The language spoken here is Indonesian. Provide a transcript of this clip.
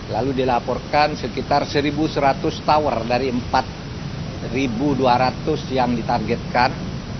lalu dilaporkan sekitar satu seratus tower dari empat dua ratus yang ditargetkan